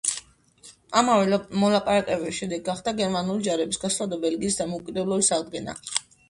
ამავე მოლაპარაკებების შედეგი გახდა გერმანული ჯარების გასვლა და ბელგიის დამოუკიდებლობის აღდგენა.